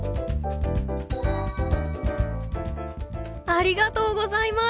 ありがとうございます。